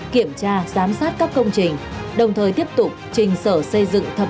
kiểm tra giám sát các công trình